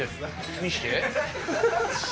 見して。